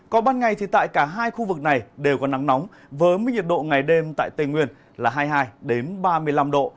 còn ban ngày thì tại cả hai khu vực này đều có nắng nóng với mức nhiệt độ ngày đêm tại tây nguyên là hai mươi hai ba mươi năm độ